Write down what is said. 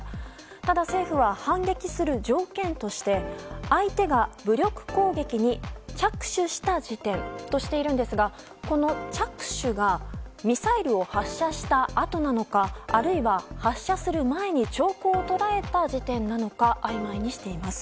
ただ、政府は反撃する条件として相手が武力攻撃に着手した時点としているんですがこの着手がミサイルを発射したあとなのかあるいは発射する前に兆候を捉えた時点なのかあいまいにしています。